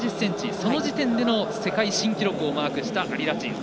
その時点での世界新記録をマークしたアリ・ラチン。